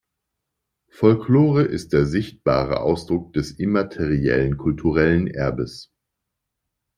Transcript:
Folklore ist der sichtbare Ausdruck des immateriellen kulturellen Erbes.